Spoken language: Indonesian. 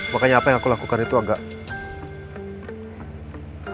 makanya apa yang aku lakukan itu agak